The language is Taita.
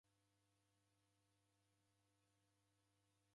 Ndouichi kusarigha mpira.